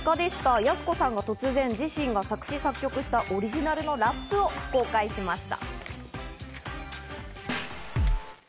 やす子さんが突然、自身が作詞・作曲したオリジナルのラップを公開しました。